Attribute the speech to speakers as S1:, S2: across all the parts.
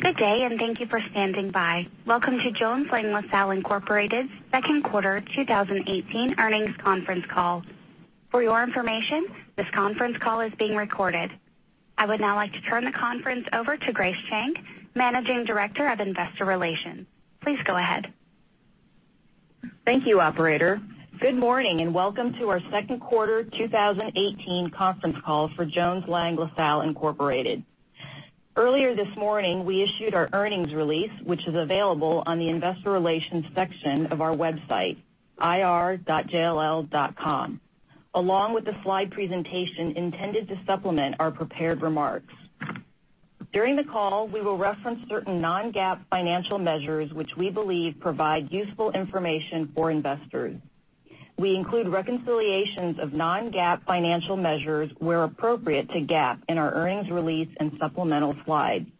S1: Good day, thank you for standing by. Welcome to Jones Lang LaSalle Incorporated's second quarter 2018 earnings conference call. For your information, this conference call is being recorded. I would now like to turn the conference over to Grace Chang, Managing Director of Investor Relations. Please go ahead.
S2: Thank you, operator. Good morning, welcome to our second quarter 2018 conference call for Jones Lang LaSalle Incorporated. Earlier this morning, we issued our earnings release, which is available on the investor relations section of our website, ir.jll.com, along with the slide presentation intended to supplement our prepared remarks. During the call, we will reference certain non-GAAP financial measures which we believe provide useful information for investors. We include reconciliations of non-GAAP financial measures, where appropriate to GAAP, in our earnings release and supplemental slides.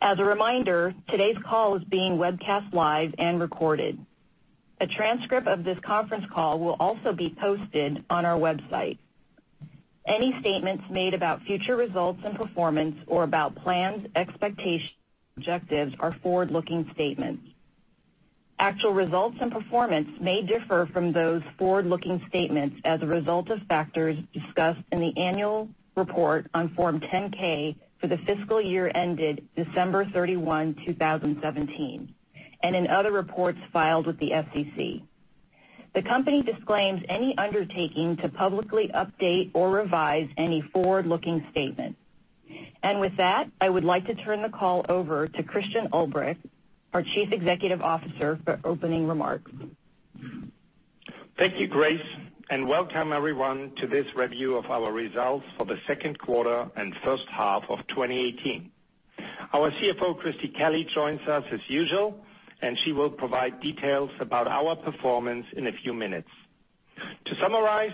S2: As a reminder, today's call is being webcast live and recorded. A transcript of this conference call will also be posted on our website. Any statements made about future results and performance or about plans, expectations, and objectives are forward-looking statements. Actual results and performance may differ from those forward-looking statements as a result of factors discussed in the annual report on Form 10-K for the fiscal year ended December 31, 2017, in other reports filed with the SEC. The company disclaims any undertaking to publicly update or revise any forward-looking statements. With that, I would like to turn the call over to Christian Ulbrich, our Chief Executive Officer, for opening remarks.
S3: Thank you, Grace, welcome everyone to this review of our results for the second quarter and first half of 2018. Our CFO, Christie Kelly, joins us as usual, she will provide details about our performance in a few minutes. To summarize,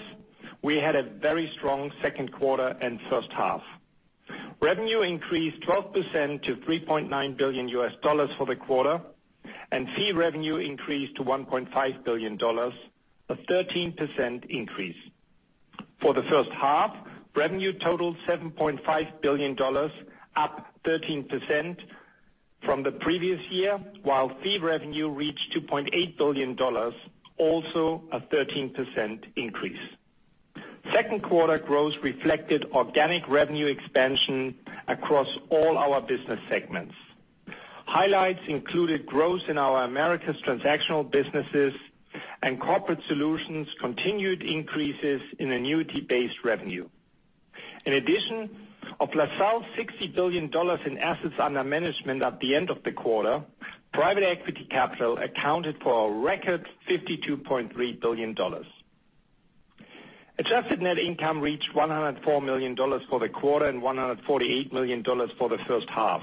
S3: we had a very strong second quarter and first half. Revenue increased 12% to $3.9 billion for the quarter, fee revenue increased to $1.5 billion, a 13% increase. For the first half, revenue totaled $7.5 billion, up 13% from the previous year, while fee revenue reached $2.8 billion, also a 13% increase. Second quarter growth reflected organic revenue expansion across all our business segments. Highlights included growth in our Americas transactional businesses and Corporate Solutions continued increases in annuity-based revenue. In addition, of LaSalle's $60 billion in assets under management at the end of the quarter, private equity capital accounted for a record $52.3 billion. Adjusted net income reached $104 million for the quarter and $148 million for the first half.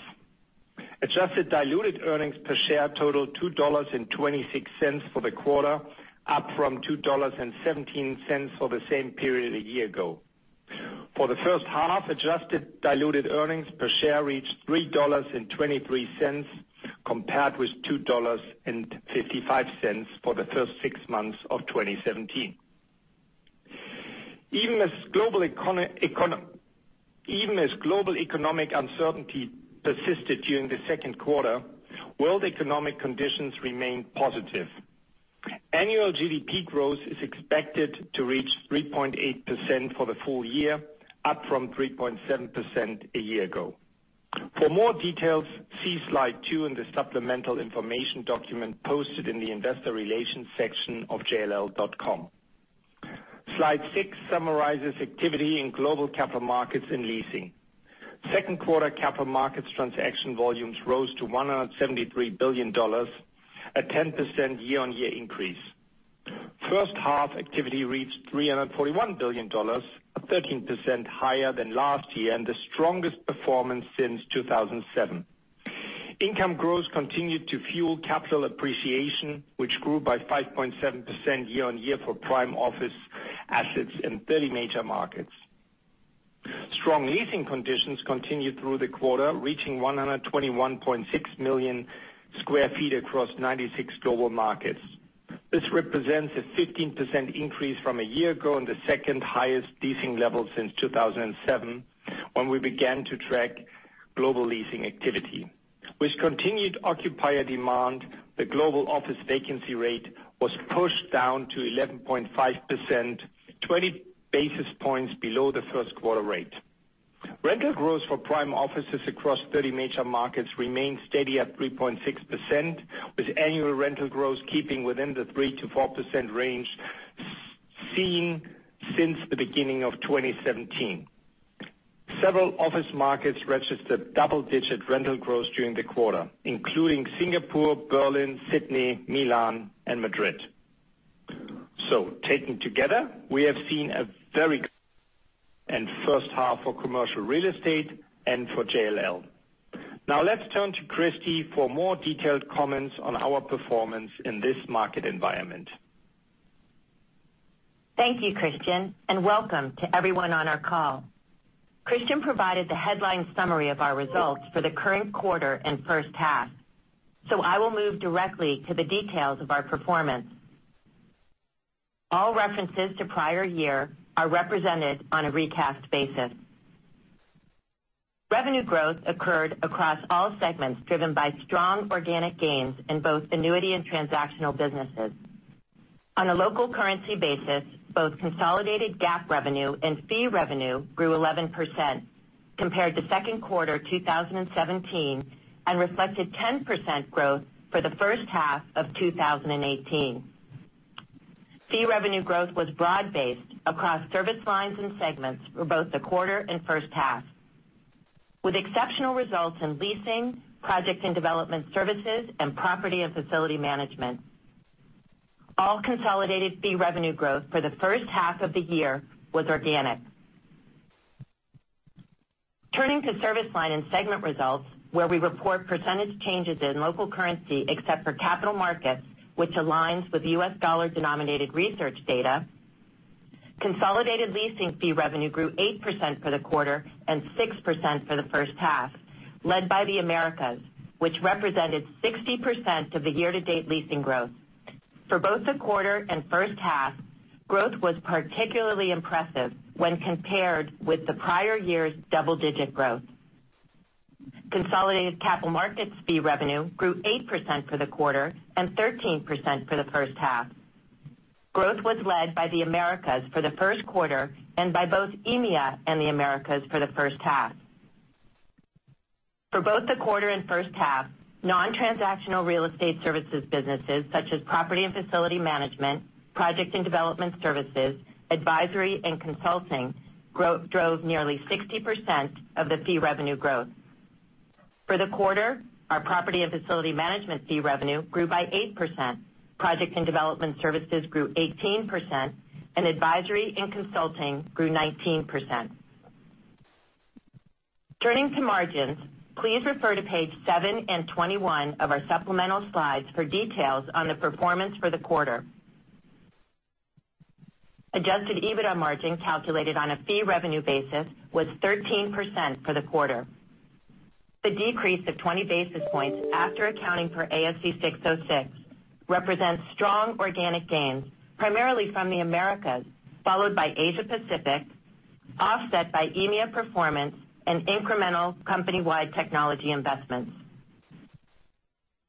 S3: Adjusted diluted earnings per share totaled $2.26 for the quarter, up from $2.17 for the same period a year ago. For the first half, adjusted diluted earnings per share reached $3.23, compared with $2.55 for the first six months of 2017. Even as global economic uncertainty persisted during the second quarter, world economic conditions remained positive. Annual GDP growth is expected to reach 3.8% for the full year, up from 3.7% a year ago. For more details, see slide two in the supplemental information document posted in the investor relations section of jll.com. Slide six summarizes activity in global capital markets and leasing. Second quarter capital markets transaction volumes rose to $173 billion, a 10% year-on-year increase. First half activity reached $341 billion, 13% higher than last year and the strongest performance since 2007. Income growth continued to fuel capital appreciation, which grew by 5.7% year-on-year for prime office assets in 30 major markets. Strong leasing conditions continued through the quarter, reaching 121.6 million square feet across 96 global markets. This represents a 15% increase from a year ago and the second highest leasing level since 2007, when we began to track global leasing activity. With continued occupier demand, the global office vacancy rate was pushed down to 11.5%, 20 basis points below the first quarter rate. Rental growth for prime offices across 30 major markets remained steady at 3.6%, with annual rental growth keeping within the 3%-4% range seen since the beginning of 2017. Several office markets registered double-digit rental growth during the quarter, including Singapore, Berlin, Sydney, Milan, and Madrid. Taken together, we have seen a very and first half for commercial real estate and for JLL. Let's turn to Christie for more detailed comments on our performance in this market environment.
S4: Thank you, Christian, and welcome to everyone on our call. Christian provided the headline summary of our results for the current quarter and first half, so I will move directly to the details of our performance. All references to prior year are represented on a recast basis. Revenue growth occurred across all segments, driven by strong organic gains in both annuity and transactional businesses. On a local currency basis, both consolidated GAAP revenue and fee revenue grew 11% compared to second quarter 2017, and reflected 10% growth for the first half of 2018. Fee revenue growth was broad-based across service lines and segments for both the quarter and first half, with exceptional results in leasing, project and development services, and property and facility management. All consolidated fee revenue growth for the first half of the year was organic. Turning to service line and segment results, where we report percentage changes in local currency except for capital markets, which aligns with U.S. dollar-denominated research data, consolidated leasing fee revenue grew 8% for the quarter and 6% for the first half, led by the Americas, which represented 60% of the year-to-date leasing growth. For both the quarter and first half, growth was particularly impressive when compared with the prior year's double-digit growth. Consolidated capital markets fee revenue grew 8% for the quarter and 13% for the first half. Growth was led by the Americas for the first quarter and by both EMEA and the Americas for the first half. For both the quarter and first half, non-transactional real estate services businesses such as property and facility management, project and development services, advisory and consulting drove nearly 60% of the fee revenue growth. For the quarter, our property and facility management fee revenue grew by 8%, project and development services grew 18%, and advisory and consulting grew 19%. Turning to margins, please refer to page seven and 21 of our supplemental slides for details on the performance for the quarter. adjusted EBITDA margin calculated on a fee revenue basis was 13% for the quarter. The decrease of 20 basis points after accounting for ASC 606 represents strong organic gains, primarily from the Americas, followed by Asia Pacific, offset by EMEA performance and incremental company-wide technology investments.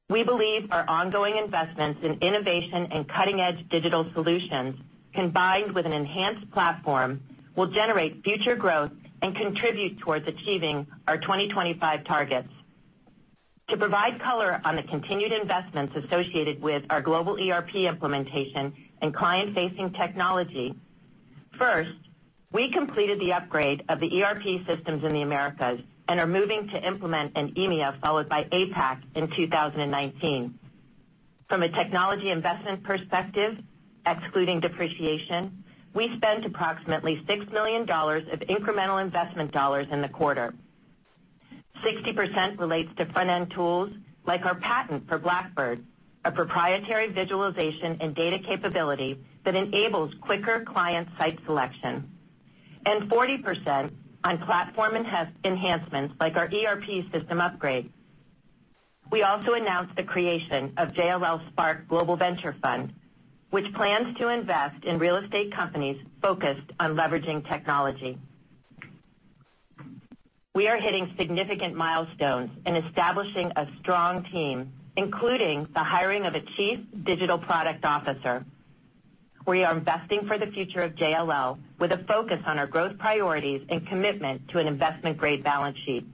S4: We believe our ongoing investments in innovation and cutting-edge digital solutions, combined with an enhanced platform, will generate future growth and contribute towards achieving our 2025 targets. To provide color on the continued investments associated with our global ERP implementation and client-facing technology, first, we completed the upgrade of the ERP systems in the Americas and are moving to implement in EMEA, followed by APAC in 2019. From a technology investment perspective, excluding depreciation, we spent approximately $6 million of incremental investment dollars in the quarter. 60% relates to front-end tools like our patent for Blackbird, a proprietary visualization and data capability that enables quicker client site selection, and 40% on platform enhancements like our ERP system upgrade. We also announced the creation of JLL Spark Global Venture Fund, which plans to invest in real estate companies focused on leveraging technology. We are hitting significant milestones and establishing a strong team, including the hiring of a chief digital product officer. We are investing for the future of JLL with a focus on our growth priorities and commitment to an investment-grade balance sheet.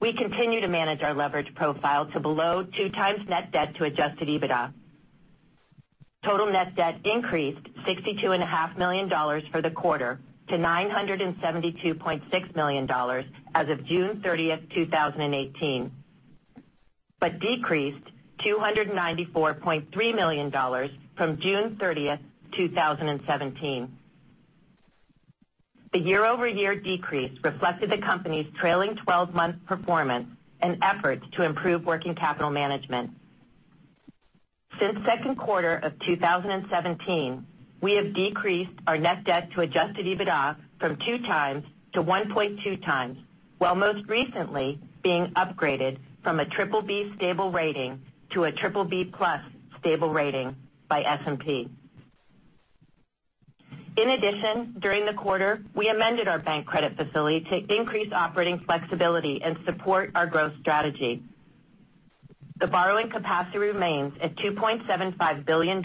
S4: We continue to manage our leverage profile to below two times net debt to adjusted EBITDA. Total net debt increased $62.5 million for the quarter to $972.6 million as of June 30, 2018, but decreased $294.3 million from June 30, 2017. The year-over-year decrease reflected the company's trailing 12-month performance and efforts to improve working capital management. Since second quarter of 2017, we have decreased our net debt to adjusted EBITDA from two times to 1.2 times, while most recently being upgraded from a BBB stable rating to a BBB+ stable rating by S&P. In addition, during the quarter, we amended our bank credit facility to increase operating flexibility and support our growth strategy. The borrowing capacity remains at $2.75 billion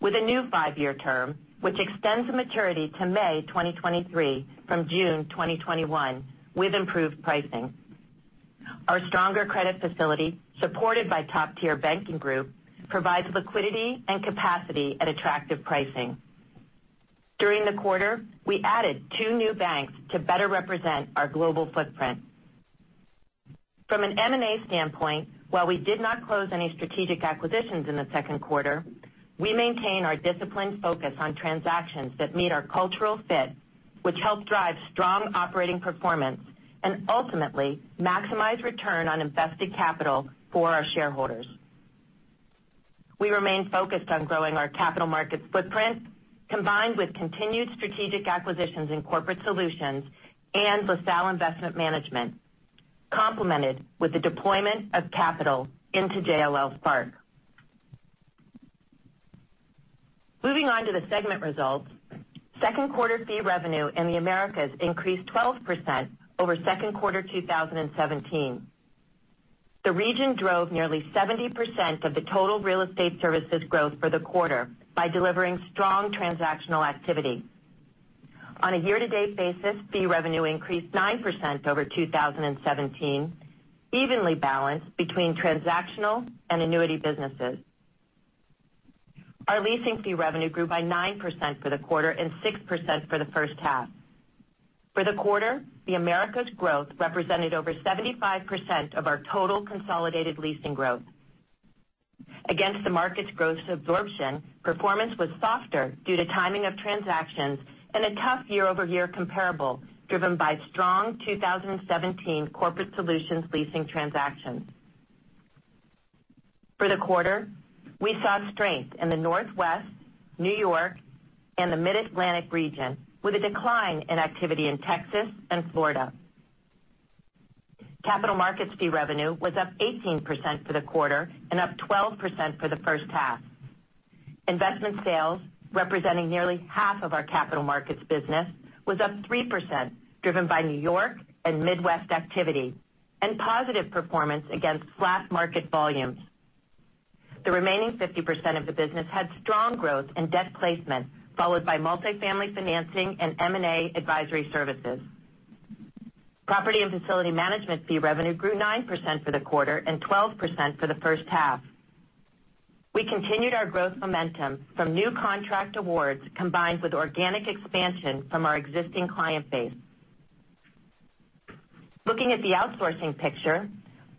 S4: with a new five-year term, which extends the maturity to May 2023 from June 2021 with improved pricing. Our stronger credit facility, supported by top-tier banking group, provides liquidity and capacity at attractive pricing. During the quarter, we added two new banks to better represent our global footprint. From an M&A standpoint, while we did not close any strategic acquisitions in the second quarter, we maintain our disciplined focus on transactions that meet our cultural fit, which help drive strong operating performance and ultimately maximize return on invested capital for our shareholders. We remain focused on growing our capital markets footprint, combined with continued strategic acquisitions in Corporate Solutions and LaSalle Investment Management. Complemented with the deployment of capital into JLL Spark. Moving on to the segment results, second quarter fee revenue in the Americas increased 12% over second quarter 2017. The region drove nearly 70% of the total real estate services growth for the quarter by delivering strong transactional activity. On a year-to-date basis, fee revenue increased 9% over 2017, evenly balanced between transactional and annuity businesses. Our leasing fee revenue grew by 9% for the quarter and 6% for the first half. For the quarter, the Americas growth represented over 75% of our total consolidated leasing growth. Against the market's gross absorption, performance was softer due to timing of transactions and a tough year-over-year comparable, driven by strong 2017 Corporate Solutions leasing transactions. For the quarter, we saw strength in the Northwest, New York, and the Mid-Atlantic region, with a decline in activity in Texas and Florida. Capital markets fee revenue was up 18% for the quarter and up 12% for the first half. Investment sales, representing nearly half of our capital markets business, was up 3%, driven by New York and Midwest activity and positive performance against flat market volumes. The remaining 50% of the business had strong growth in debt placement, followed by multi-family financing and M&A advisory services. Property and facility management fee revenue grew 9% for the quarter and 12% for the first half. We continued our growth momentum from new contract awards, combined with organic expansion from our existing client base. Looking at the outsourcing picture,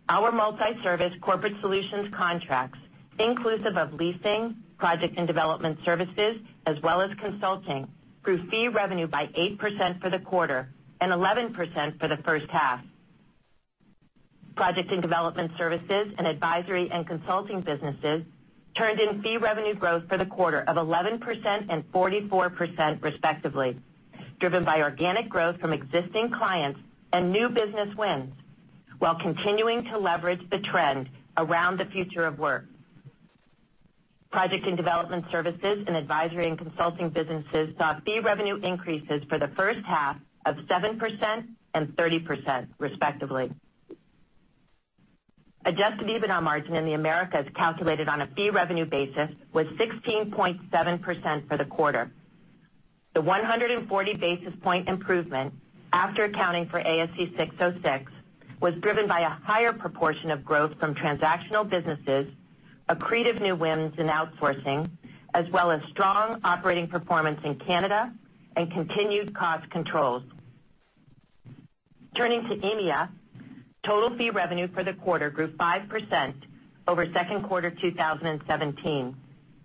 S4: our multi-service Corporate Solutions contracts, inclusive of leasing, project and development services, as well as consulting, grew fee revenue by 8% for the quarter and 11% for the first half. Project and development services and advisory and consulting businesses turned in fee revenue growth for the quarter of 11% and 44%, respectively, driven by organic growth from existing clients and new business wins, while continuing to leverage the trend around the future of work. Project and development services and advisory and consulting businesses saw fee revenue increases for the first half of 7% and 30%, respectively. Adjusted EBITDA margin in the Americas, calculated on a fee revenue basis, was 16.7% for the quarter. The 140 basis point improvement, after accounting for ASC 606, was driven by a higher proportion of growth from transactional businesses, accretive new wins in outsourcing, as well as strong operating performance in Canada and continued cost controls. Turning to EMEA, total fee revenue for the quarter grew 5% over second quarter 2017,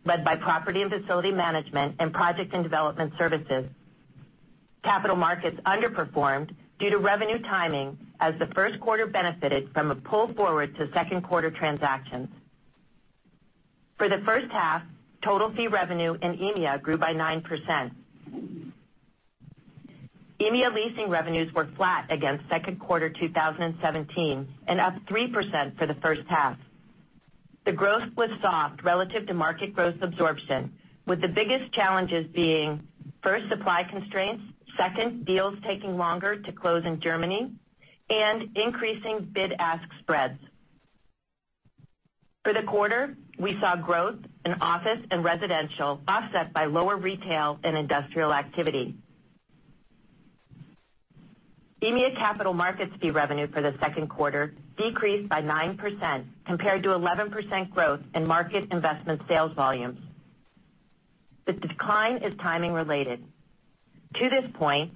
S4: led by property and facility management and project and development services. Capital markets underperformed due to revenue timing as the first quarter benefited from a pull forward to second quarter transactions. For the first half, total fee revenue in EMEA grew by 9%. EMEA leasing revenues were flat against second quarter 2017 and up 3% for the first half. The growth was soft relative to market growth absorption, with the biggest challenges being, first, supply constraints, second, deals taking longer to close in Germany, and increasing bid-ask spreads. For the quarter, we saw growth in office and residential offset by lower retail and industrial activity. EMEA capital markets fee revenue for the second quarter decreased by 9%, compared to 11% growth in market investment sales volumes. The decline is timing related. To this point,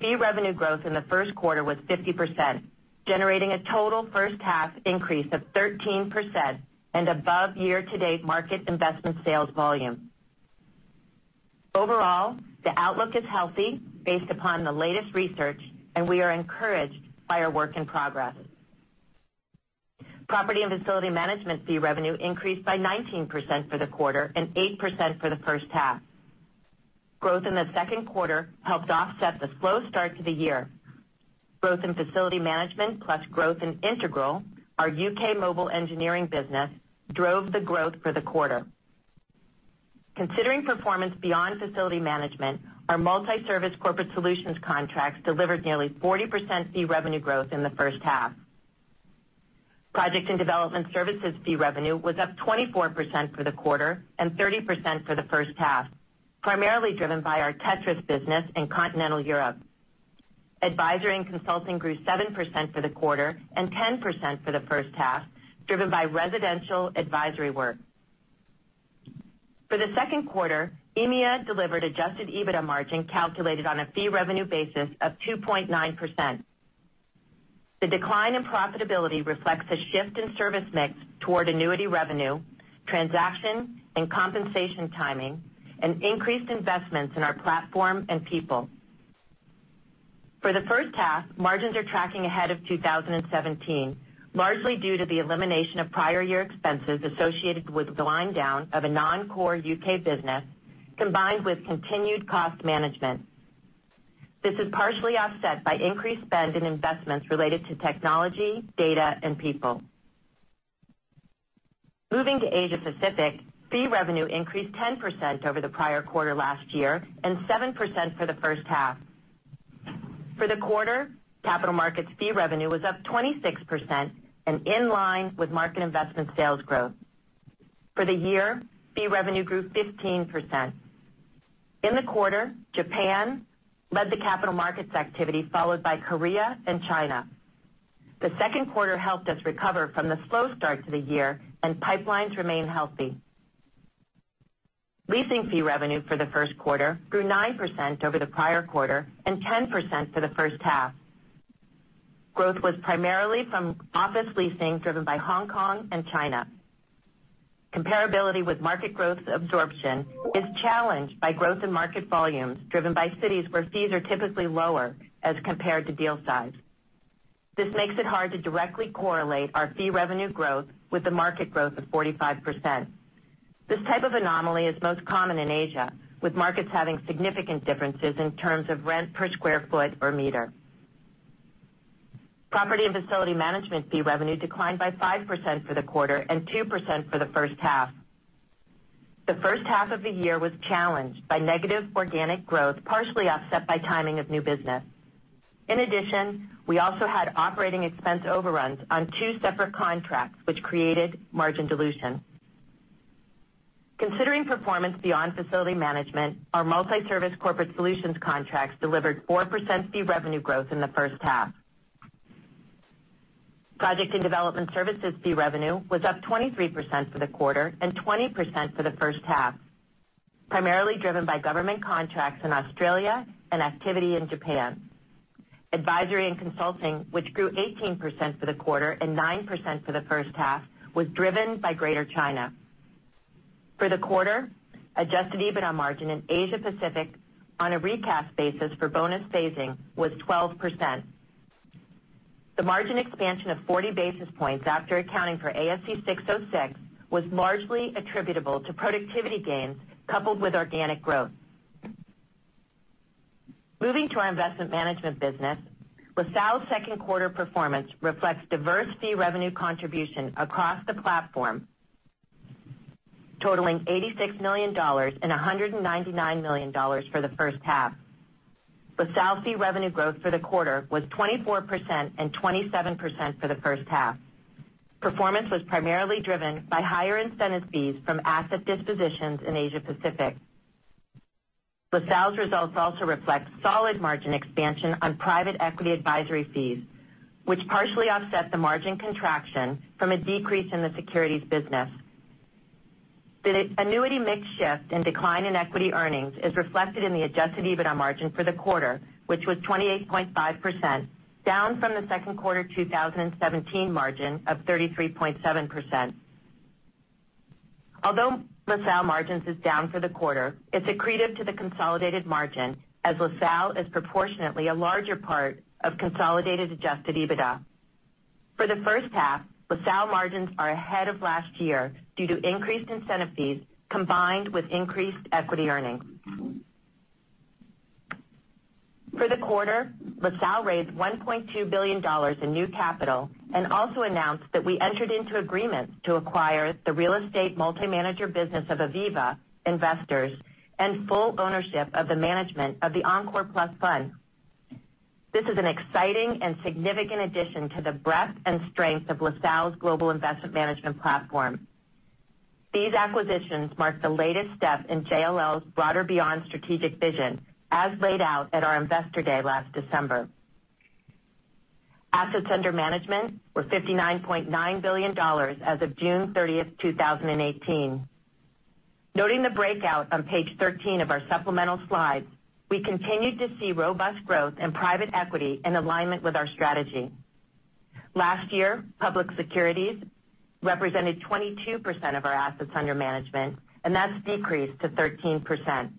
S4: fee revenue growth in the first quarter was 50%, generating a total first half increase of 13% and above year-to-date market investment sales volume. Overall, the outlook is healthy based upon the latest research. We are encouraged by our work in progress. Property and facility management fee revenue increased by 19% for the quarter and 8% for the first half. Growth in the second quarter helped offset the slow start to the year. Growth in facility management plus growth in Integral, our U.K. mobile engineering business, drove the growth for the quarter. Considering performance beyond facility management, our multi-service Corporate Solutions contracts delivered nearly 40% fee revenue growth in the first half. Project and development services fee revenue was up 24% for the quarter and 30% for the first half, primarily driven by our Tétris business in Continental Europe. Advisory and consulting grew 7% for the quarter and 10% for the first half, driven by residential advisory work. For the second quarter, EMEA delivered adjusted EBITDA margin calculated on a fee revenue basis of 2.9%. The decline in profitability reflects a shift in service mix toward annuity revenue, transaction and compensation timing, and increased investments in our platform and people. For the first half, margins are tracking ahead of 2017, largely due to the elimination of prior year expenses associated with the wind down of a non-core U.K. business combined with continued cost management. This is partially offset by increased spend in investments related to technology, data, and people. Moving to Asia Pacific, fee revenue increased 10% over the prior quarter last year, and 7% for the first half. For the quarter, capital markets fee revenue was up 26% and in line with market investment sales growth. For the year, fee revenue grew 15%. In the quarter, Japan led the capital markets activity, followed by Korea and China. The second quarter helped us recover from the slow start to the year, pipelines remain healthy. Leasing fee revenue for the first quarter grew 9% over the prior quarter and 10% for the first half. Growth was primarily from office leasing, driven by Hong Kong and China. Comparability with market growth absorption is challenged by growth in market volumes driven by cities where fees are typically lower as compared to deal size. This makes it hard to directly correlate our fee revenue growth with the market growth of 45%. This type of anomaly is most common in Asia, with markets having significant differences in terms of rent per square foot or meter. Property and facility management fee revenue declined by 5% for the quarter and 2% for the first half. The first half of the year was challenged by negative organic growth, partially offset by timing of new business. In addition, we also had operating expense overruns on two separate contracts, which created margin dilution. Considering performance beyond facility management, our multi-service Corporate Solutions contracts delivered 4% fee revenue growth in the first half. Project and development services fee revenue was up 23% for the quarter and 20% for the first half, primarily driven by government contracts in Australia and activity in Japan. Advisory and consulting, which grew 18% for the quarter and 9% for the first half, was driven by Greater China. For the quarter, adjusted EBITDA margin in Asia Pacific on a recast basis for bonus phasing was 12%. The margin expansion of 40 basis points after accounting for ASC 606 was largely attributable to productivity gains coupled with organic growth. Moving to our investment management business, LaSalle's second quarter performance reflects diverse fee revenue contribution across the platform, totaling $86 million and $199 million for the first half. LaSalle fee revenue growth for the quarter was 24% and 27% for the first half. Performance was primarily driven by higher incentive fees from asset dispositions in Asia Pacific. LaSalle's results also reflect solid margin expansion on private equity advisory fees, which partially offset the margin contraction from a decrease in the securities business. The annuity mix shift and decline in equity earnings is reflected in the adjusted EBITDA margin for the quarter, which was 28.5%, down from the second quarter 2017 margin of 33.7%. Although LaSalle margins is down for the quarter, it's accretive to the consolidated margin, as LaSalle is proportionately a larger part of consolidated adjusted EBITDA. For the first half, LaSalle margins are ahead of last year due to increased incentive fees combined with increased equity earnings. For the quarter, LaSalle raised $1.2 billion in new capital and also announced that we entered into agreements to acquire the real estate multi-manager business of Aviva Investors and full ownership of the management of the Encore+ Fund. This is an exciting and significant addition to the breadth and strength of LaSalle's global investment management platform. These acquisitions mark the latest step in JLL's broader Beyond Strategic Vision, as laid out at our investor day last December. Assets under management were $59.9 billion as of June 30th, 2018. Noting the breakout on page 13 of our supplemental slides, we continued to see robust growth in private equity in alignment with our strategy. Last year, public securities represented 22% of our assets under management, and that's decreased to 13%.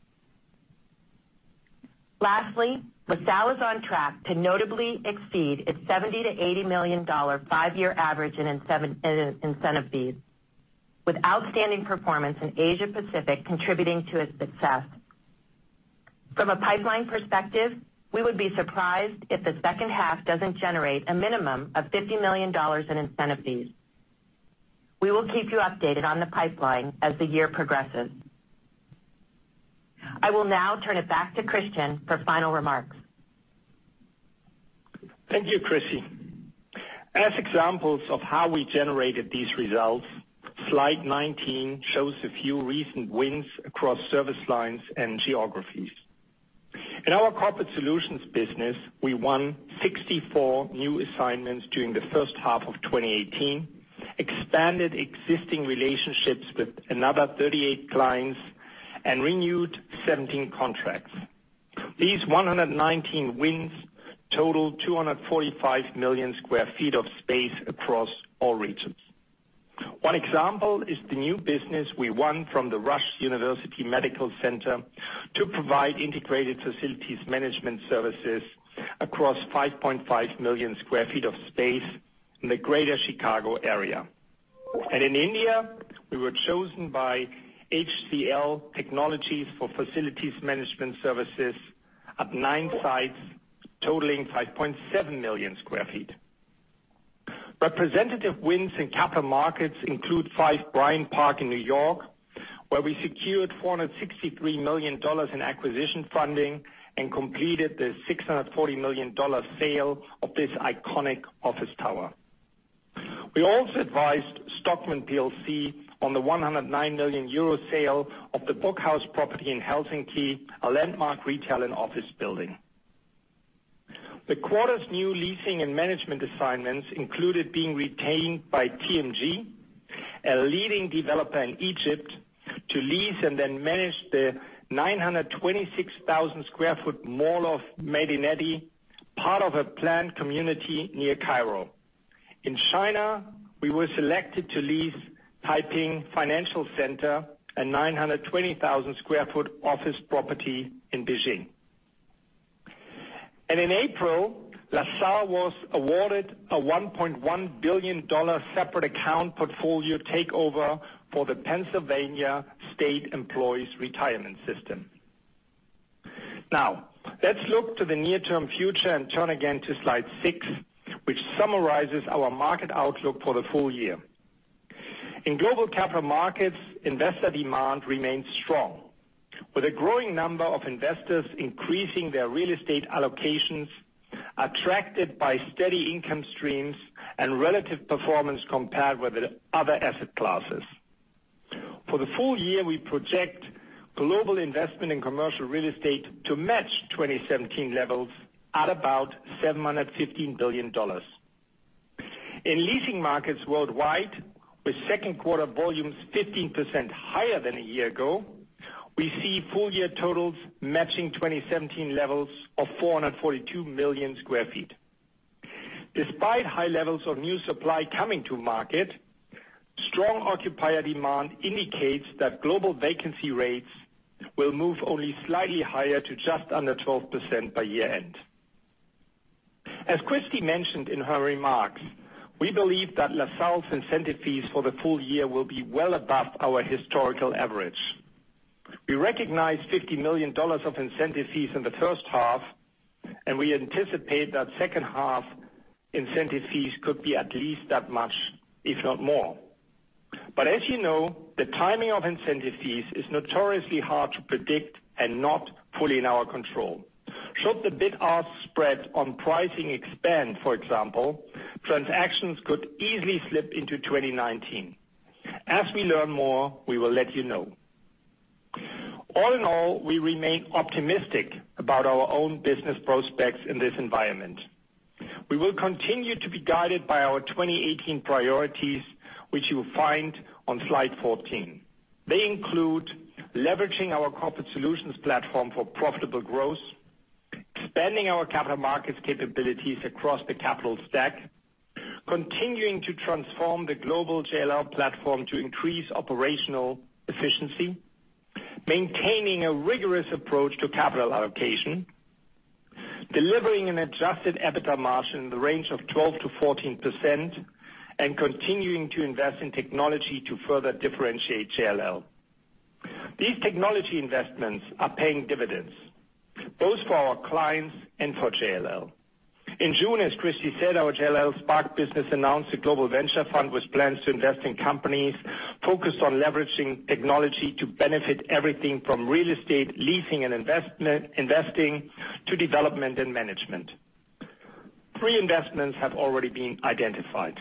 S4: Lastly, LaSalle is on track to notably exceed its $70 million to $80 million five-year average in incentive fees, with outstanding performance in Asia Pacific contributing to its success. From a pipeline perspective, we would be surprised if the second half doesn't generate a minimum of $50 million in incentive fees. We will keep you updated on the pipeline as the year progresses. I will now turn it back to Christian for final remarks.
S3: Thank you, Christie. As examples of how we generated these results, slide 19 shows a few recent wins across service lines and geographies. In our Corporate Solutions business, we won 64 new assignments during the first half of 2018, expanded existing relationships with another 38 clients, and renewed 17 contracts. These 119 wins total 245 million sq ft of space across all regions. One example is the new business we won from the Rush University Medical Center to provide integrated facilities management services across 5.5 million sq ft of space in the greater Chicago area. In India, we were chosen by HCL Technologies for facilities management services at nine sites totaling 5.7 million sq ft. Representative wins in capital markets include 5 Bryant Park in New York, where we secured $463 million in acquisition funding and completed the $640 million sale of this iconic office tower. We also advised Stockmann plc on the €109 million sale of the Book House property in Helsinki, a landmark retail and office building. The quarter's new leasing and management assignments included being retained by TMG, a leading developer in Egypt, to lease and then manage the 926,000 sq ft Mall of Madinaty, part of a planned community near Cairo. In China, we were selected to lease Taiping Financial Center, a 920,000 sq ft office property in Beijing. In April, LaSalle was awarded a $1.1 billion separate account portfolio takeover for the Pennsylvania State Employees' Retirement System. Now, let's look to the near-term future and turn again to slide six, which summarizes our market outlook for the full year. In global capital markets, investor demand remains strong, with a growing number of investors increasing their real estate allocations, attracted by steady income streams and relative performance compared with other asset classes. For the full year, we project global investment in commercial real estate to match 2017 levels at about $715 billion. In leasing markets worldwide, with second quarter volumes 15% higher than a year ago, we see full year totals matching 2017 levels of 442 million sq ft. Despite high levels of new supply coming to market, strong occupier demand indicates that global vacancy rates will move only slightly higher to just under 12% by year-end. As Christie mentioned in her remarks, we believe that LaSalle's incentive fees for the full year will be well above our historical average. We recognized $50 million of incentive fees in the first half. We anticipate that second half incentive fees could be at least that much, if not more. As you know, the timing of incentive fees is notoriously hard to predict and not fully in our control. Should the bid-ask spread on pricing expand, for example, transactions could easily slip into 2019. As we learn more, we will let you know. All in all, we remain optimistic about our own business prospects in this environment. We will continue to be guided by our 2018 priorities, which you will find on slide 14. They include leveraging our Corporate Solutions platform for profitable growth, expanding our capital markets capabilities across the capital stack, continuing to transform the global JLL platform to increase operational efficiency, maintaining a rigorous approach to capital allocation, delivering an adjusted EBITDA margin in the range of 12%-14%, and continuing to invest in technology to further differentiate JLL. These technology investments are paying dividends, both for our clients and for JLL. In June, as Christie said, our JLL Spark business announced a global venture fund with plans to invest in companies focused on leveraging technology to benefit everything from real estate leasing and investing, to development and management. Three investments have already been identified.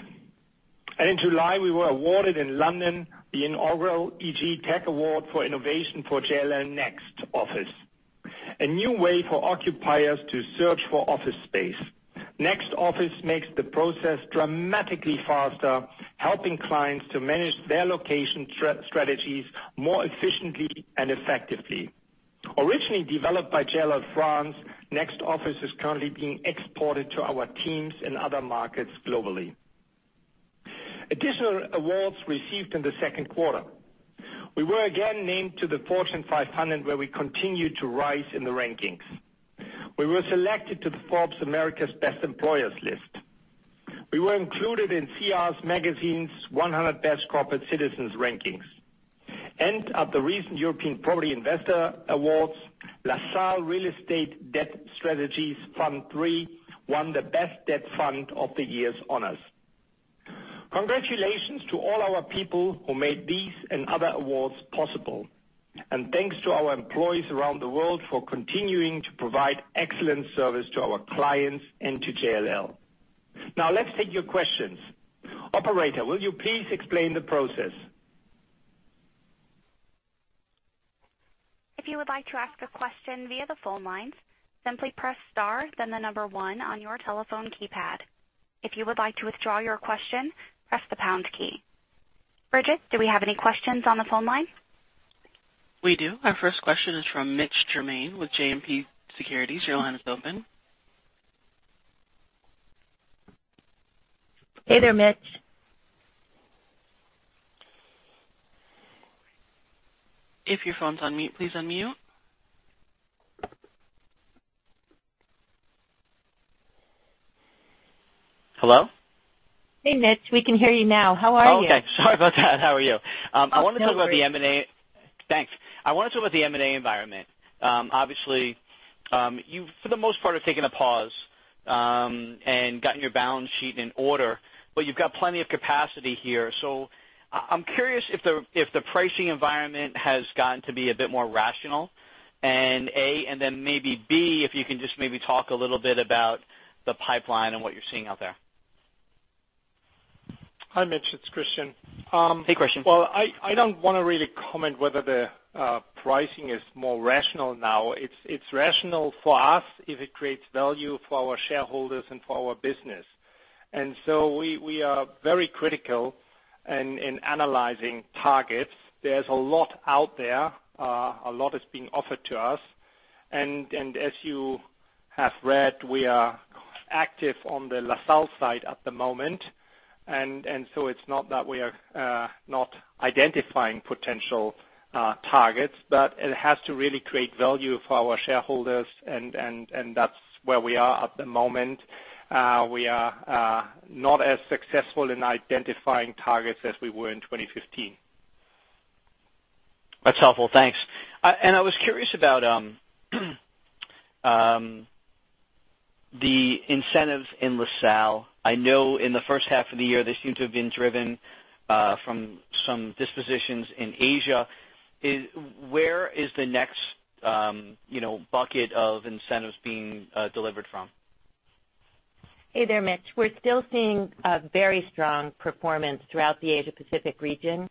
S3: In July, we were awarded in London the inaugural EG Tech Award for Innovation for NXT Office, a new way for occupiers to search for office space. NXT Office makes the process dramatically faster, helping clients to manage their location strategies more efficiently and effectively. Originally developed by JLL France, NXT Office is currently being exported to our teams in other markets globally. Additional awards received in the second quarter. We were again named to the Fortune 500, where we continue to rise in the rankings. We were selected to the Forbes America's Best Employers list. We were included in CR Magazine's 100 Best Corporate Citizens rankings. At the recent European Property Investor Awards, LaSalle Real Estate Debt Strategies III won the Best Debt Fund of the Year honors. Congratulations to all our people who made these and other awards possible, and thanks to our employees around the world for continuing to provide excellent service to our clients and to JLL. Now let's take your questions. Operator, will you please explain the process?
S1: If you would like to ask a question via the phone lines, simply press star then the number one on your telephone keypad. If you would like to withdraw your question, press the pound key. Bridget, do we have any questions on the phone line?
S5: We do. Our first question is from Mitch Germain with JMP Securities. Your line is open.
S3: Hey there, Mitch.
S5: If your phone's on mute, please unmute.
S6: Hello?
S4: Hey, Mitch. We can hear you now. How are you?
S6: Oh, okay. Sorry about that. How are you?
S4: No worries.
S6: Thanks. I want to talk about the M&A environment. Obviously, you, for the most part, have taken a pause and gotten your balance sheet in order, but you've got plenty of capacity here. I'm curious if the pricing environment has gotten to be a bit more rational, A, and then maybe B, if you can just maybe talk a little bit about the pipeline and what you're seeing out there.
S3: Hi, Mitch. It's Christian.
S6: Hey, Christian.
S3: Well, I don't want to really comment whether the pricing is more rational now. It's rational for us if it creates value for our shareholders and for our business. We are very critical in analyzing targets. There's a lot out there. A lot is being offered to us. As you have read, we are active on the LaSalle side at the moment. It's not that we are not identifying potential targets, but it has to really create value for our shareholders, and that's where we are at the moment. We are not as successful in identifying targets as we were in 2015.
S6: That's helpful. Thanks. I was curious about the incentives in LaSalle. I know in the first half of the year, they seem to have been driven from some dispositions in Asia. Where is the next bucket of incentives being delivered from?
S4: Hey there, Mitch. We're still seeing a very strong performance throughout the Asia Pacific region,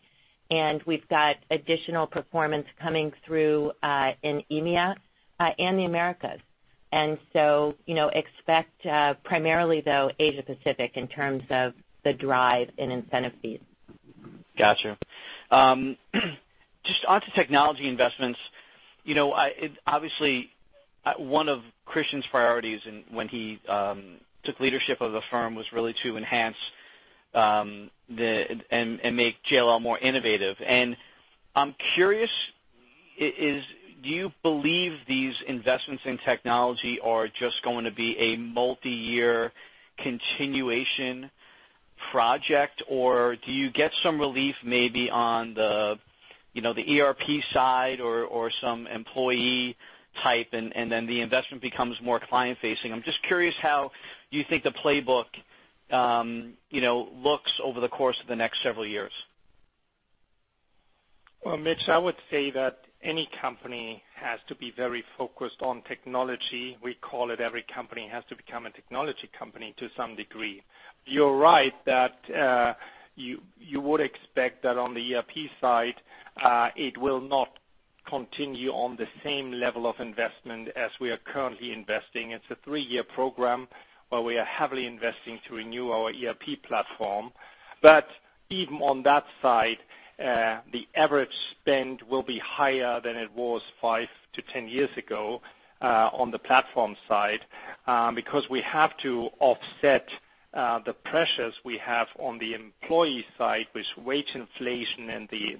S4: and we've got additional performance coming through in EMEA and the Americas. Expect primarily, though, Asia Pacific in terms of the drive in incentive fees.
S6: Got you. Just onto technology investments. Obviously, one of Christian's priorities when he took leadership of the firm was really to enhance and make JLL more innovative. I'm curious, do you believe these investments in technology are just going to be a multi-year continuation project? Or do you get some relief maybe on the ERP side or some employee type, and then the investment becomes more client-facing? I'm just curious how you think the playbook looks over the course of the next several years.
S3: Well, Mitch, I would say that any company has to be very focused on technology. We call it every company has to become a technology company to some degree. You're right that you would expect that on the ERP side, it will not continue on the same level of investment as we are currently investing. It's a three-year program where we are heavily investing to renew our ERP platform. Even on that side, the average spend will be higher than it was five to 10 years ago on the platform side, because we have to offset the pressures we have on the employee side with wage inflation and the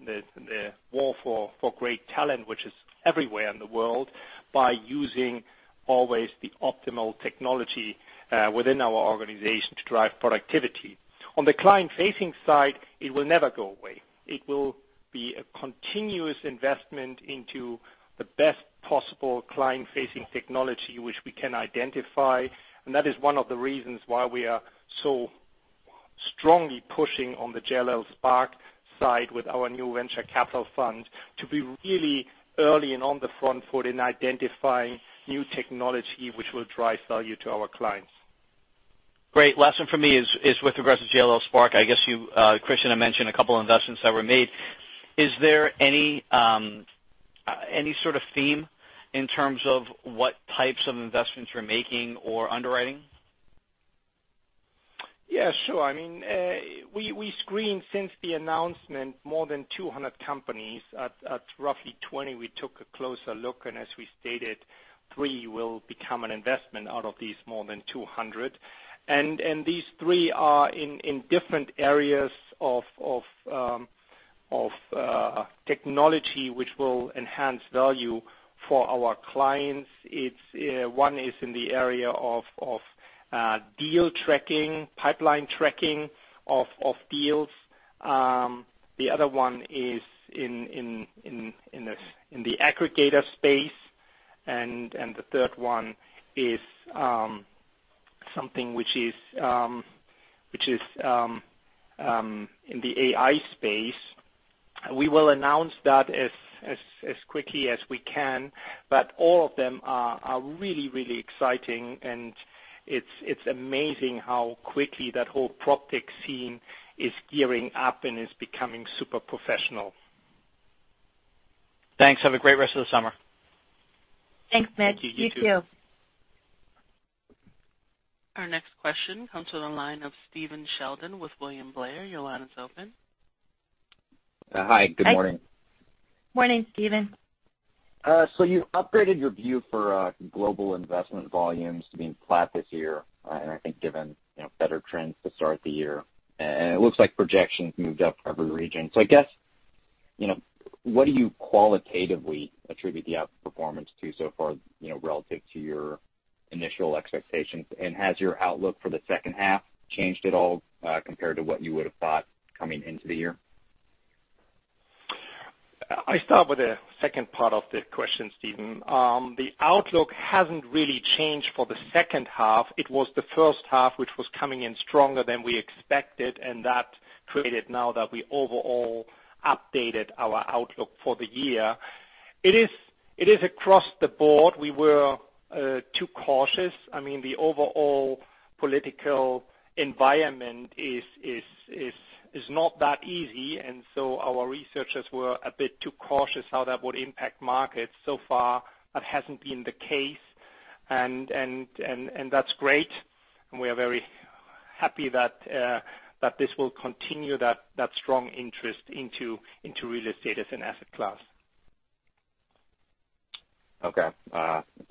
S3: war for great talent, which is everywhere in the world, by using always the optimal technology within our organization to drive productivity. On the client-facing side, it will never go away. It will be a continuous investment into the best possible client-facing technology, which we can identify. That is one of the reasons why we are so strongly pushing on the JLL Spark side with our new venture capital fund to be really early and on the front foot in identifying new technology, which will drive value to our clients.
S6: Great. Last one for me is with regards to JLL Spark. I guess you, Christian, have mentioned a couple investments that were made. Is there any sort of theme in terms of what types of investments you're making or underwriting?
S3: Yeah, sure. We screened, since the announcement, more than 200 companies. At roughly 20, we took a closer look, and as we stated, three will become an investment out of these more than 200. These three are in different areas of technology, which will enhance value for our clients. One is in the area of deal tracking, pipeline tracking of deals. The other one is in the aggregator space. The third one is something which is in the AI space. We will announce that as quickly as we can. All of them are really, really exciting, and it's amazing how quickly that whole proptech scene is gearing up and is becoming super professional.
S6: Thanks. Have a great rest of the summer.
S4: Thanks, Mitch. You too.
S3: Thank you. You too.
S5: Our next question comes to the line of Stephen Sheldon with William Blair. Your line is open.
S7: Hi. Good morning.
S4: Morning, Stephen.
S7: You upgraded your view for global investment volumes to being flat this year, given better trends to start the year. It looks like projections moved up every region. What do you qualitatively attribute the outperformance to so far relative to your initial expectations? Has your outlook for the second half changed at all compared to what you would have thought coming into the year?
S3: I start with the second part of the question, Stephen. The outlook hasn't really changed for the second half. It was the first half, which was coming in stronger than we expected. That created now that we overall updated our outlook for the year. It is across the board. We were too cautious. Our researchers were a bit too cautious how that would impact markets. So far, that hasn't been the case, and that's great, and we are very happy that this will continue that strong interest into real estate as an asset class.
S7: Okay.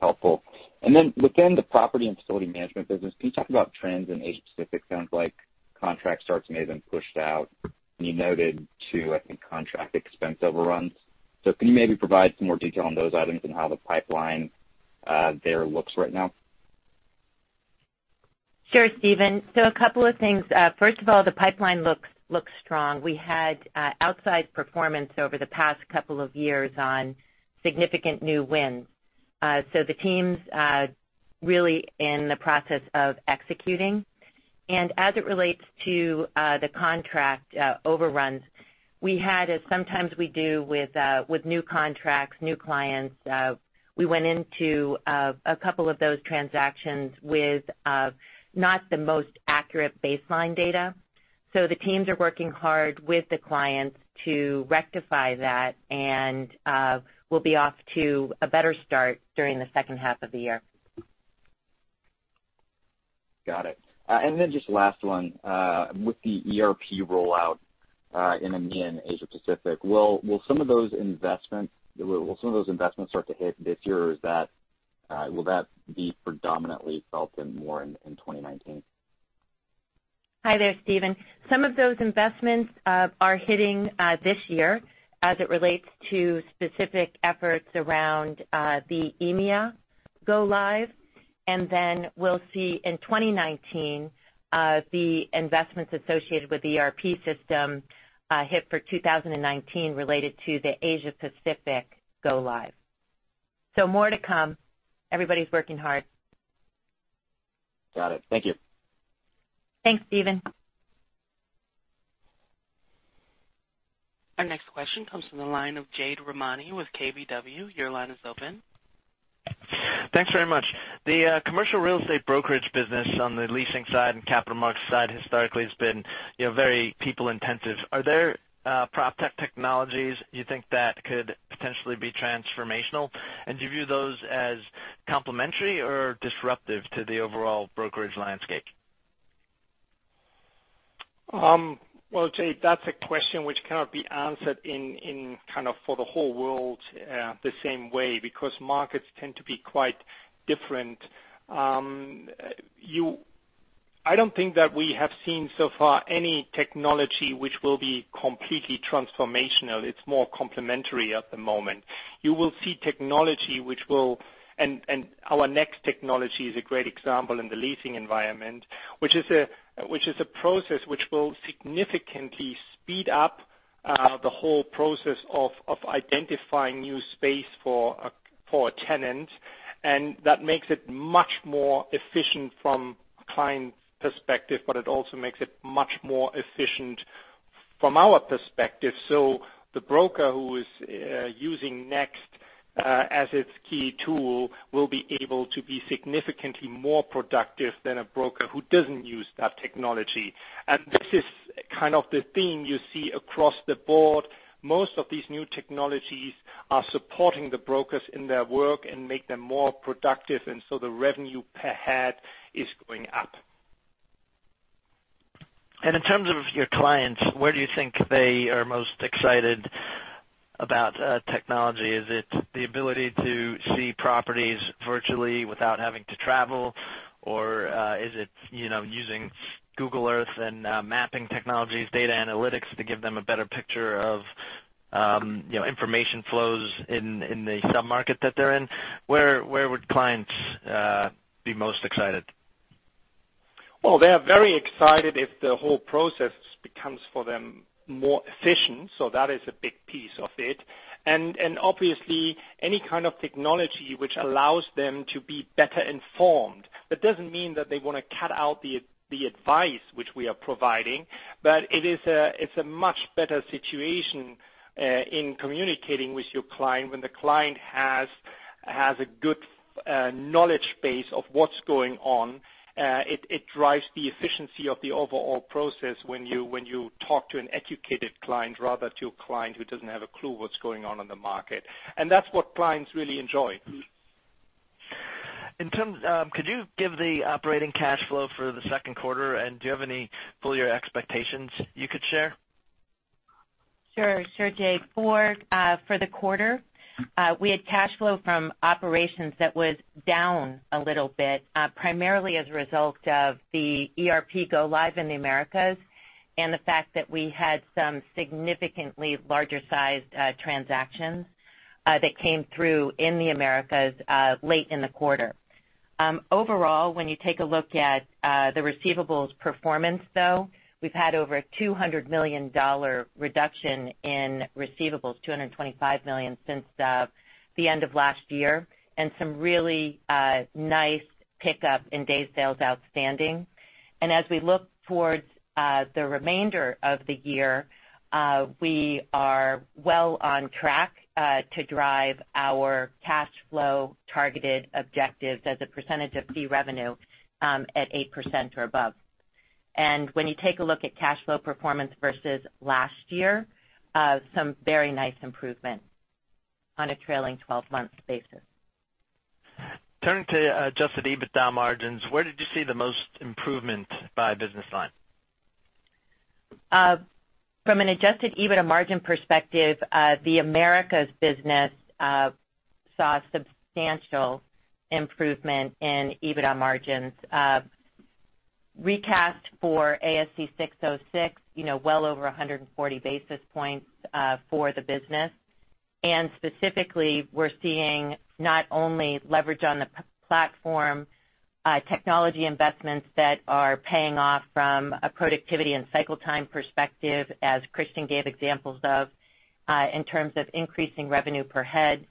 S7: Helpful. Within the property and facility management business, can you talk about trends in Asia Pacific? Sounds like contract starts may have been pushed out, and you noted too, I think, contract expense overruns. Can you maybe provide some more detail on those items and how the pipeline there looks right now?
S4: Sure, Stephen. A couple of things. First of all, the pipeline looks strong. We had outside performance over the past couple of years on significant new wins. The team's really in the process of executing. As it relates to the contract overruns, we had, as sometimes we do with new contracts, new clients, we went into a couple of those transactions with not the most accurate baseline data. The teams are working hard with the clients to rectify that and will be off to a better start during the second half of the year.
S7: Got it. Just last one. With the ERP rollout in Asia Pacific, will some of those investments start to hit this year, or will that be predominantly felt in more in 2019?
S4: Hi there, Stephen. Some of those investments are hitting this year as it relates to specific efforts around the EMEA go-live. Then we'll see in 2019, the investments associated with the ERP system hit for 2019 related to the Asia Pacific go-live. More to come. Everybody's working hard.
S7: Got it. Thank you.
S4: Thanks, Stephen.
S5: Our next question comes from the line of Jade Rahmani with KBW. Your line is open.
S8: Thanks very much. The commercial real estate brokerage business on the leasing side and capital markets side historically has been very people-intensive. Are there proptech technologies you think that could potentially be transformational? Do you view those as complementary or disruptive to the overall brokerage landscape?
S3: Well, Jade, that's a question which cannot be answered in kind of for the whole world the same way, because markets tend to be quite different. I don't think that we have seen so far any technology which will be completely transformational. It's more complementary at the moment. You will see technology and our NXT technology is a great example in the leasing environment, which is a process which will significantly speed up the whole process of identifying new space for a tenant. That makes it much more efficient from a client's perspective, it also makes it much more efficient from our perspective. The broker who is using NXT as its key tool will be able to be significantly more productive than a broker who doesn't use that technology. This is kind of the theme you see across the board. Most of these new technologies are supporting the brokers in their work and make them more productive. The revenue per head is going up.
S8: In terms of your clients, where do you think they are most excited about technology? Is it the ability to see properties virtually without having to travel? Or is it using Google Earth and mapping technologies, data analytics to give them a better picture of information flows in the sub-market that they're in? Where would clients be most excited?
S3: Well, they are very excited if the whole process becomes for them more efficient. That is a big piece of it. Obviously, any kind of technology which allows them to be better informed. That doesn't mean that they want to cut out the advice which we are providing, but it's a much better situation in communicating with your client when the client has a good knowledge base of what's going on. It drives the efficiency of the overall process when you talk to an educated client rather to a client who doesn't have a clue what's going on in the market. That's what clients really enjoy.
S8: Could you give the operating cash flow for the second quarter, and do you have any full-year expectations you could share?
S4: Sure, Jade. For the quarter, we had cash flow from operations that was down a little bit, primarily as a result of the ERP go live in the Americas, and the fact that we had some significantly larger sized transactions that came through in the Americas, late in the quarter. Overall, when you take a look at the receivables performance though, we've had over a $200 million reduction in receivables, $225 million since the end of last year, and some really nice pickup in days sales outstanding. As we look towards the remainder of the year, we are well on track to drive our cash flow targeted objectives as a percentage of fee revenue, at 8% or above. When you take a look at cash flow performance versus last year, some very nice improvement on a trailing 12-month basis.
S8: Turning to adjusted EBITDA margins, where did you see the most improvement by business line?
S4: From an adjusted EBITDA margin perspective, the Americas business saw substantial improvement in EBITDA margins. Recast for ASC 606, well over 140 basis points for the business. Specifically, we're seeing not only leverage on the platform, technology investments that are paying off from a productivity and cycle time perspective, as Christian gave examples of, in terms of increasing revenue per head.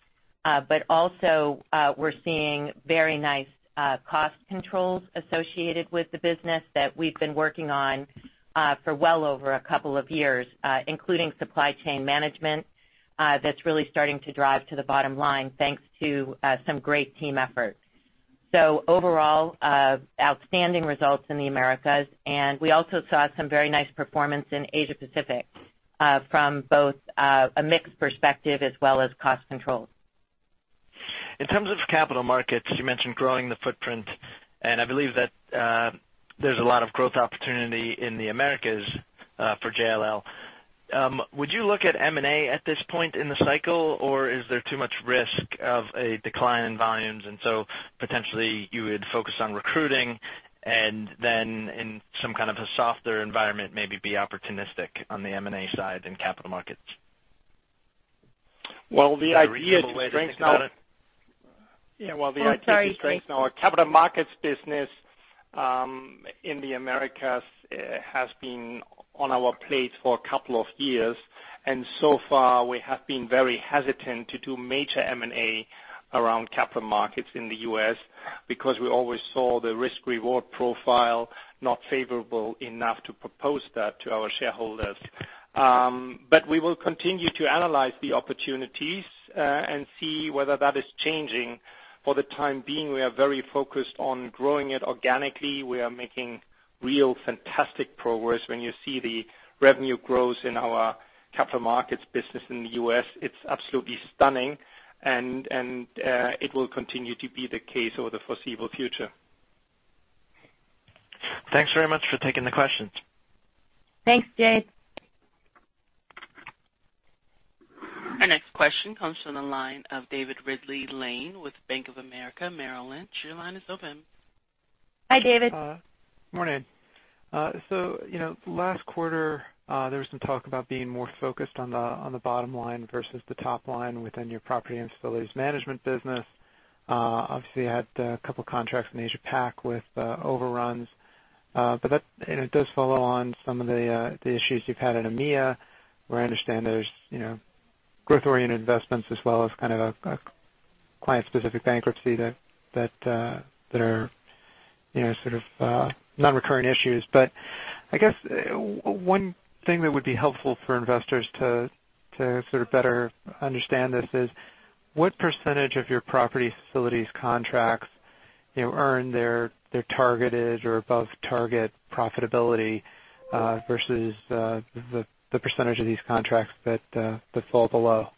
S4: Also, we're seeing very nice cost controls associated with the business that we've been working on for well over a couple of years, including supply chain management. That's really starting to drive to the bottom line, thanks to some great team efforts. Overall, outstanding results in the Americas. We also saw some very nice performance in Asia Pacific, from both a mix perspective as well as cost controls.
S8: In terms of capital markets, you mentioned growing the footprint, and I believe that there's a lot of growth opportunity in the Americas for JLL. Would you look at M&A at this point in the cycle, or is there too much risk of a decline in volumes and so potentially you would focus on recruiting and then in some kind of a softer environment, maybe be opportunistic on the M&A side and capital markets?
S3: Well, the idea to
S8: Is that a reasonable way to think about it?
S4: Oh, I'm sorry.
S3: Yeah. Well, the idea to strengthen our capital markets business, in the Americas, has been on our plate for a couple of years, and so far we have been very hesitant to do major M&A around capital markets in the U.S. because we always saw the risk-reward profile not favorable enough to propose that to our shareholders. We will continue to analyze the opportunities and see whether that is changing. For the time being, we are very focused on growing it organically. We are making real fantastic progress. When you see the revenue growth in our capital markets business in the U.S., it's absolutely stunning and it will continue to be the case over the foreseeable future.
S8: Thanks very much for taking the questions.
S4: Thanks, Jade.
S5: Our next question comes from the line of David Ridley-Lane with Bank of America Merrill Lynch. Your line is open.
S4: Hi, David.
S9: Morning. Last quarter, there was some talk about being more focused on the bottom line versus the top line within your property and facilities management business. Obviously, you had a couple contracts in Asia Pac with overruns. That does follow on some of the issues you've had in EMEA, where I understand there's growth-oriented investments as well as kind of a client-specific bankruptcy that are sort of non-recurring issues. I guess one thing that would be helpful for investors to sort of better understand this is, what % of your property facilities contracts earn their targeted or above target profitability, versus the % of these contracts that fall below?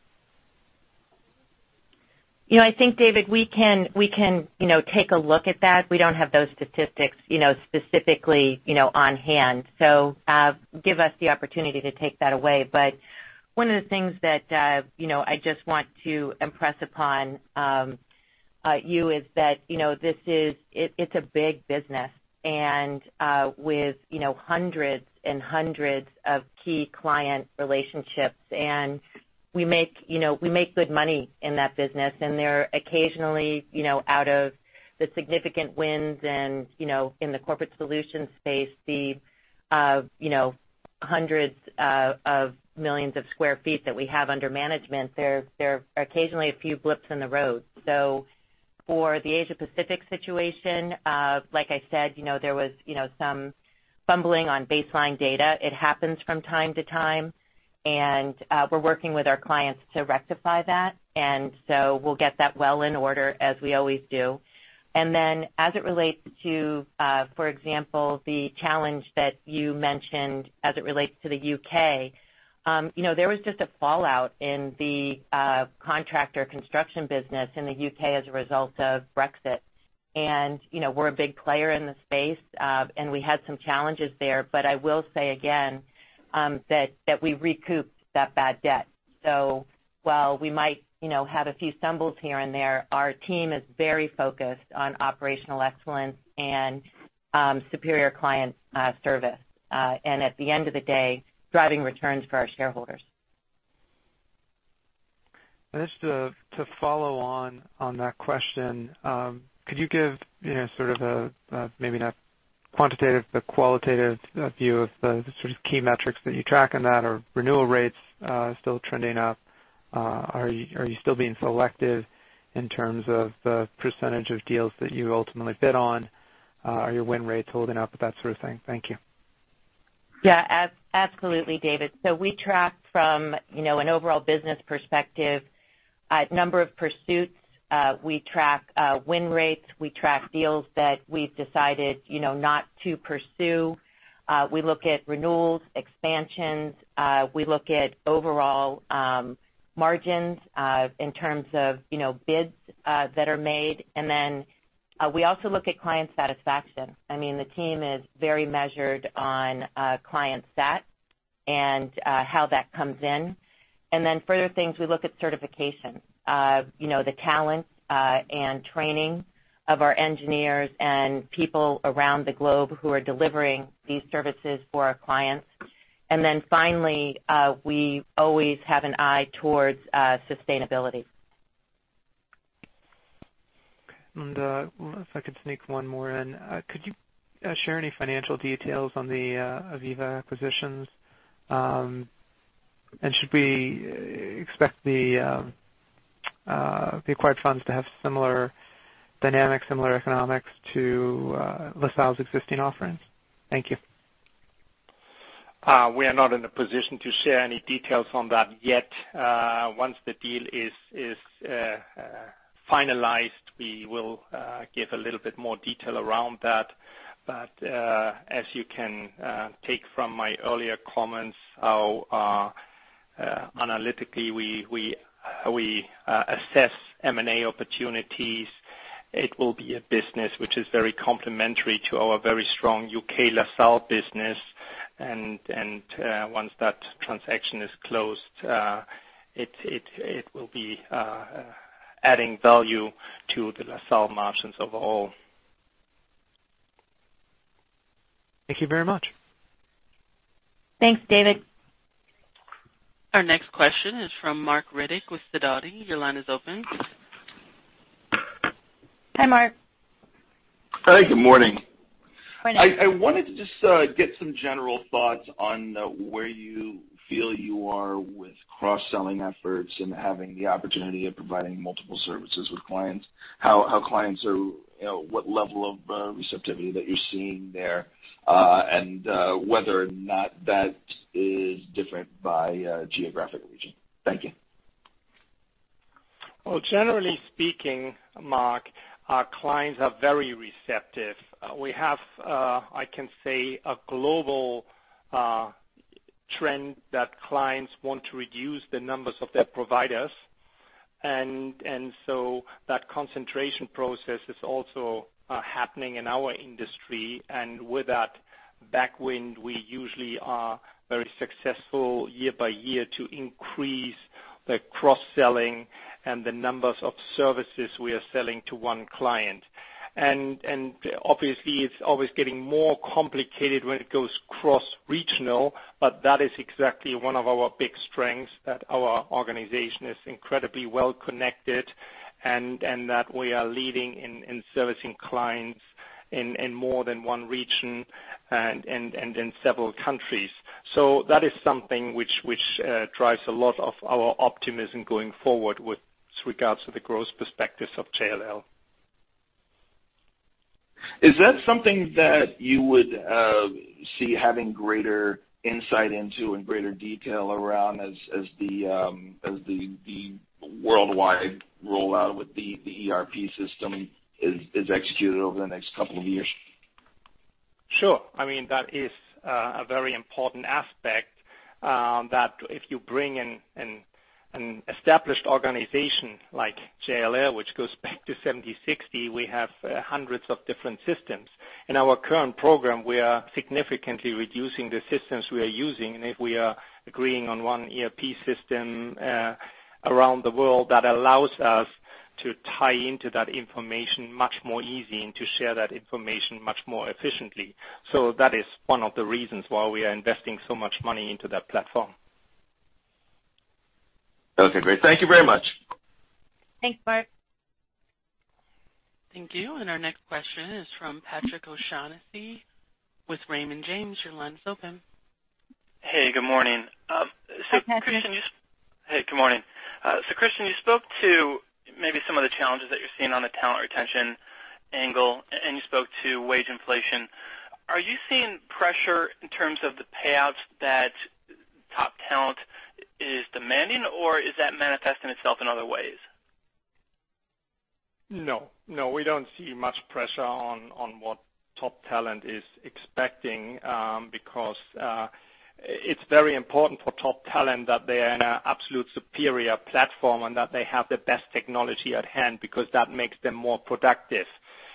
S4: I think, David, we can take a look at that. We don't have those statistics specifically on hand. Give us the opportunity to take that away. One of the things that I just want to impress upon you is that it's a big business and with hundreds of key client relationships, and we make good money in that business. There are occasionally, out of the significant wins and in the Corporate Solutions space, the hundreds of millions of sq ft that we have under management, there are occasionally a few blips in the road. For the Asia Pacific situation, like I said, there was some fumbling on baseline data. It happens from time to time. We're working with our clients to rectify that. We'll get that well in order as we always do. As it relates to, for example, the challenge that you mentioned as it relates to the U.K., there was just a fallout in the contractor construction business in the U.K. as a result of Brexit. We're a big player in the space, and we had some challenges there. I will say again, that we recouped that bad debt. While we might have a few stumbles here and there, our team is very focused on operational excellence and superior client service. At the end of the day, driving returns for our shareholders.
S9: Just to follow on that question, could you give sort of a, maybe not quantitative, but qualitative view of the sort of key metrics that you track on that? Are renewal rates still trending up? Are you still being selective in terms of the percentage of deals that you ultimately bid on? Are your win rates holding up? That sort of thing. Thank you.
S4: Absolutely, David. We track from an overall business perspective, number of pursuits. We track win rates. We track deals that we've decided not to pursue. We look at renewals, expansions. We look at overall margins in terms of bids that are made. We also look at client satisfaction. I mean, the team is very measured on client sat and how that comes in. Further things, we look at certification. The talent and training of our engineers and people around the globe who are delivering these services for our clients. Finally, we always have an eye towards sustainability.
S9: If I could sneak one more in, could you share any financial details on the Aviva acquisitions? Should we expect the acquired funds to have similar dynamics, similar economics to LaSalle's existing offerings? Thank you.
S3: We are not in a position to share any details on that yet. Once the deal is finalized, we will give a little bit more detail around that. As you can take from my earlier comments how analytically we assess M&A opportunities. It will be a business which is very complementary to our very strong U.K. LaSalle business. Once that transaction is closed, it will be adding value to the LaSalle margins overall.
S9: Thank you very much.
S4: Thanks, David.
S5: Our next question is from Marc Riddick with Sidoti. Your line is open.
S4: Hi, Marc.
S10: Hi, good morning.
S4: Morning.
S10: I wanted to just get some general thoughts on where you feel you are with cross-selling efforts and having the opportunity of providing multiple services with clients. What level of receptivity that you're seeing there, and whether or not that is different by geographic region. Thank you.
S3: Well, generally speaking, Marc, our clients are very receptive. We have, I can say, a global trend that clients want to reduce the numbers of their providers. That concentration process is also happening in our industry. With that backwind, we usually are very successful year by year to increase the cross-selling and the numbers of services we are selling to one client. Obviously, it's always getting more complicated when it goes cross-regional, but that is exactly one of our big strengths, that our organization is incredibly well-connected and that we are leading in servicing clients in more than one region and in several countries. That is something which drives a lot of our optimism going forward with regards to the growth perspectives of JLL.
S10: Is that something that you would see having greater insight into and greater detail around as the worldwide rollout with the ERP system is executed over the next couple of years?
S3: Sure. I mean, that is a very important aspect that if you bring an established organization like JLL, which goes back to 1760, we have hundreds of different systems. In our current program, we are significantly reducing the systems we are using. If we are agreeing on one ERP system around the world, that allows us to tie into that information much more easy and to share that information much more efficiently. That is one of the reasons why we are investing so much money into that platform.
S10: Okay, great. Thank you very much.
S4: Thanks, Marc.
S5: Thank you. Our next question is from Patrick O'Shaughnessy with Raymond James. Your line is open.
S11: Hey, good morning.
S4: Hi, Patrick.
S11: Hey, good morning. Christian, you spoke to maybe some of the challenges that you're seeing on the talent retention angle, and you spoke to wage inflation. Are you seeing pressure in terms of the payouts that top talent is demanding, or is that manifesting itself in other ways?
S3: No, we don't see much pressure on what top talent is expecting, because it's very important for top talent that they are in a absolute superior platform and that they have the best technology at hand because that makes them more productive.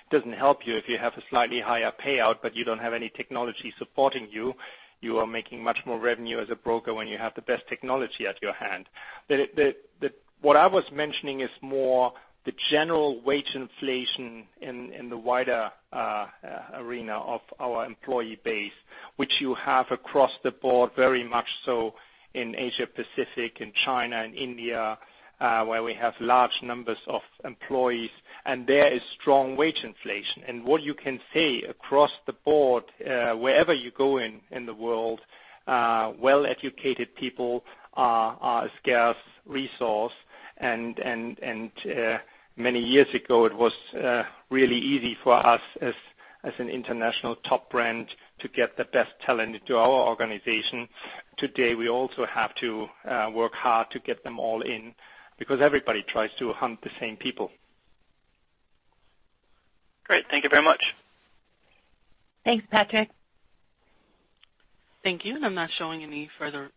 S3: It doesn't help you if you have a slightly higher payout but you don't have any technology supporting you. You are making much more revenue as a broker when you have the best technology at your hand. What I was mentioning is more the general wage inflation in the wider arena of our employee base, which you have across the board very much so in Asia-Pacific and China and India, where we have large numbers of employees, and there is strong wage inflation. What you can say across the board, wherever you go in the world, well-educated people are a scarce resource. Many years ago, it was really easy for us as an international top brand to get the best talent into our organization. Today, we also have to work hard to get them all in because everybody tries to hunt the same people.
S11: Great. Thank you very much.
S4: Thanks, Patrick.
S5: Thank you. I am not showing any further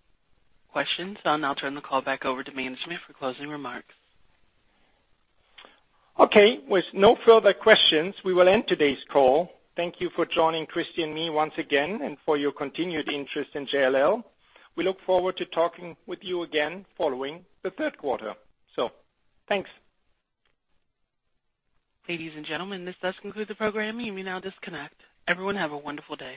S5: questions. I will now turn the call back over to management for closing remarks.
S4: Okay. With no further questions, we will end today's call. Thank you for joining Christian and me once again and for your continued interest in JLL. We look forward to talking with you again following the third quarter. Thanks.
S5: Ladies and gentlemen, this does conclude the program. You may now disconnect. Everyone have a wonderful day.